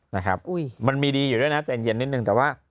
นะครับมันมีดีอยู่ด้วยนะใจเย็นนิดนึงแต่ว่า